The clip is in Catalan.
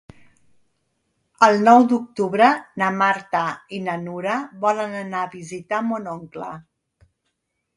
El nou d'octubre na Marta i na Nura volen anar a visitar mon oncle.